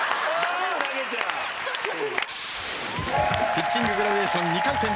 ピッチンググラデーション２回戦です。